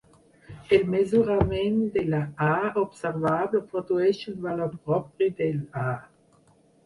El mesurament de la "A" observable produeix un valor propi de l'"A".